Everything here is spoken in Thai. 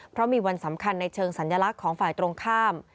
เพราะมีวันสำคัญในเชิงสัญลักษณ์ของฝ่ายตรงข้าม